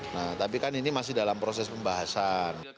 nah tapi kan ini masih dalam proses pembahasan